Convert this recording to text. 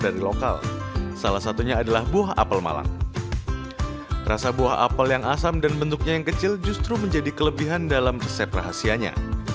rasa buah apel yang asam dan bentuknya yang kecil justru menjadi kelebihan dalam resep rahasianya